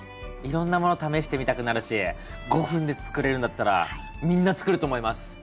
いろんなもの試してみたくなるし５分で作れるんだったらみんな作ると思います。